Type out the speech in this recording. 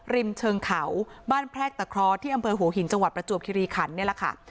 ริมเชิงเขาบ้านแพรกตะเคราะห์ที่อำเภอหัวหินจังหวัดประจวบคิริขันนี่แหละค่ะ